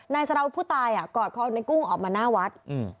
สารวุฒิผู้ตายกอดคอในกุ้งออกมาหน้าวัด